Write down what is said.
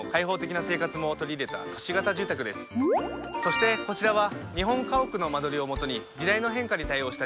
そしてこちらは。